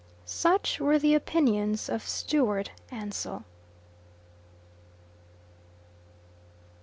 Such were the opinions of Stewart Ansell.